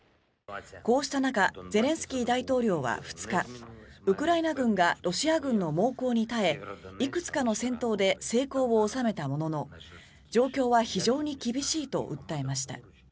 こうした中ゼレンスキー大統領は２日ウクライナ軍がロシア軍の猛攻に耐えいくつかの戦闘で成功を収めたものの状況は非常に厳しいと訴えました。